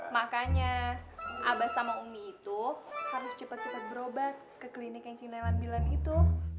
makanya abah sama umi itu harus cepat cepat berobat ke klinik yang cililan milan itu